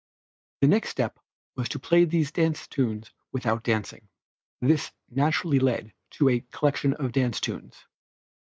The next step was to play these dance tunes without dancing. This naturally led to a collection of dance tunes.